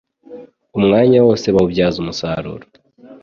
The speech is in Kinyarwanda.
Umwanya wose bawubyaza umusaruro